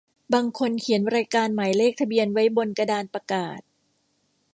บางคนเขียนรายการหมายเลขทะเบียนไว้บนกระดานประกาศ